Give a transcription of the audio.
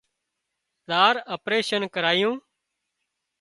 زار اپريشن ڪرايوُن